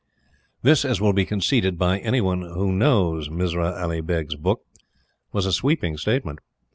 This, as will be conceded by any one who knows Mirza Ali Beg's book, was a sweeping statement.